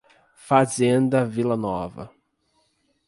Fazenda Vilanova